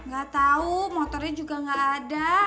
gak tau motornya juga gak ada